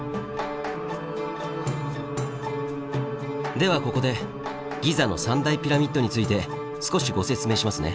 ではここでギザの３大ピラミッドについて少しご説明しますね。